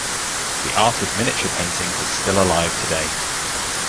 The art of miniature painting is still alive today.